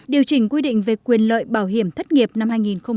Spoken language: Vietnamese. điều chỉnh quy định về quyền lợi bảo hiểm thất nghiệp năm hai nghìn hai mươi